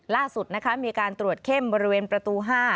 ล่าสุดนะคะมีการตรวจเข้มบริเวณประตู๕